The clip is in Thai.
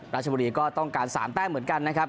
ราชบุรีก็ต้องการ๓แต้มเหมือนกันนะครับ